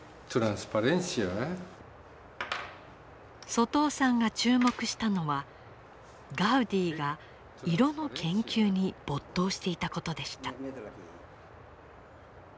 外尾さんが注目したのはガウディが色の研究に没頭していたことでした。